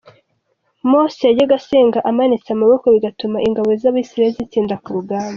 Mose yajyaga asenga amanitse amaboko bigatuma ingabo z’Abisirayeli zitsinda ku rugamba.